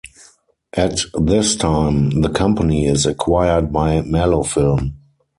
At this time, the company is acquired by Malofilm.